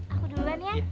aku duluan ya